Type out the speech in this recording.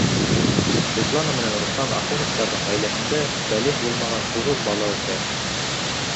Светлана менән Руслан Ахуновтарҙың ғаиләһендә бәлиғ булмаған туғыҙ бала үҫә!